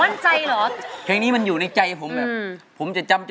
น้องพ่อสิให้นำบอก